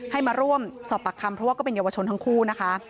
ให้มาร่วมสอบปากคำเพราะว่าก็เป็นเยาวชนทั้งคู่นะคะ